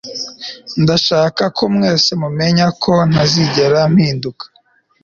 ndashaka ko mwese mumenya ko ntazigera mpinduka